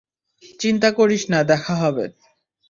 চিন্তা করিস না, দেখা হবে।